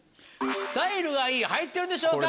スタイルがいい入ってるでしょうか？